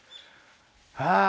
ああ。